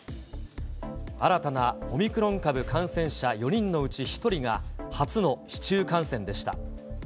新たなオミクロン株感染者４人のうち１人が、初の市中感染でした。